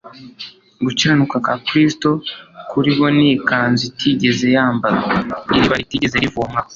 Gukiranuka kwa Kristo kuri bo ni ikanzu itigeze yambarwa, iriba ritigeze rivomwaho.